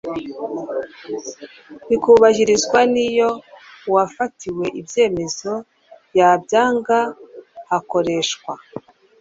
bikubahirizwa n iyo uwafatiwe ibyemezo yabyanga hakoreshwa